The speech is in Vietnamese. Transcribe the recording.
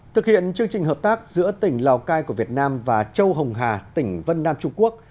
thực hiện chương trình hợp tác giữa tỉnh lào cai của việt nam và châu hồng hà tỉnh vân nam trung quốc